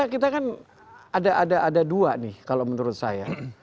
kita kan ada dua nih kalau menurut saya